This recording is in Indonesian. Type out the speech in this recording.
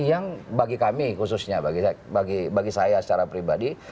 yang bagi kami khususnya bagi saya secara pribadi